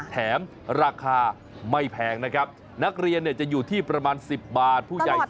แถมราคาไม่แพงนะครับนักเรียนจะอยู่ที่ประมาณ๑๐บาทผู้ใหญ่